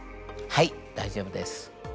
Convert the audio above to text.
はい大丈夫です。